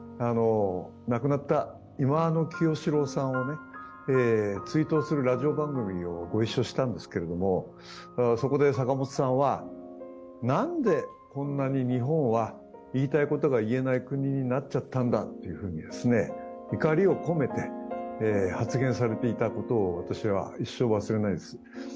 亡くなった忌野清志郎さんを追悼するラジオ番組でご一緒したんですけれども、そこで坂本さんはなんでこんなに日本は言いたいことが言えない国になっちゃったんだと怒りを込めて、発言されていたことを私は一生忘れないです。